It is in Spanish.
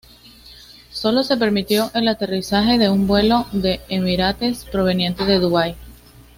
Sólo se permitió el aterrizaje de un vuelo de Emirates proveniente de Dubái.